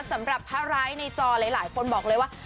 สำหรับพระร้ายในจอหลายคนบอกเลยว่า